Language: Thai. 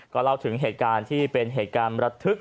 ก็เล่าถึงเหตุการณ์ที่เป็นเหตุการณ์ระทึก